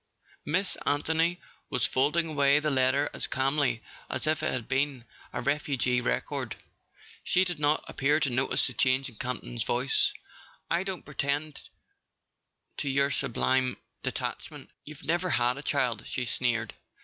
Miss Anthony was folding away the letter as calmly as if it had been a refugee record. She did not appear to notice the change in Campton's voice. "I don't pretend to your sublime detachment: you've never had a child," he sneered.